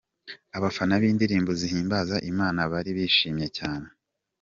Abafana b'indirimbo zihimbaza Imana bari bishimye cyane.